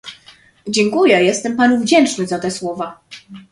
Dziękuję, jestem panu wdzięczny za te słowa